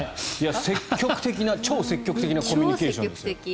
超積極的なコミュニケーションですよ。